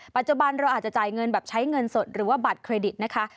ปัจจุบันเราอาจจะจ่ายเงินแบบใช้เงินสดหรือว่าบัตรเครดิตนะคะ